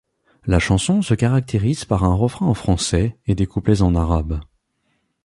La chanson se caractérise par un refrain en français et des couplets en arabe.